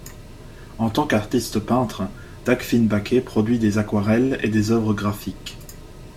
En tant qu'artiste peintre, Dagfinn Bakke produit des aquarelles et des œuvres graphiques.